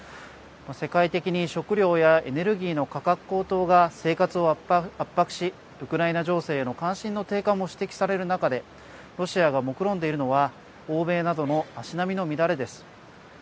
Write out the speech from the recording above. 世界的に食料やエネルギーの価格高騰が生活を圧迫しウクライナ情勢への関心の低下も指摘される中でロシアがもくろんでいるのは欧米などの足並みの乱れです。